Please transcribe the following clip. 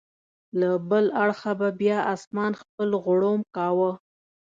له بل اړخه به بیا اسمان خپل غړومب کاوه.